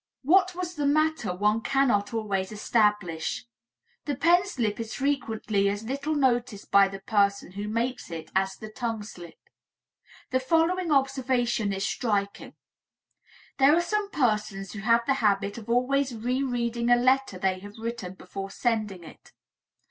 What was the matter one cannot always establish. The pen slip is frequently as little noticed by the person who makes it as the tongue slip. The following observation is striking: There are some persons who have the habit of always rereading a letter they have written before sending it.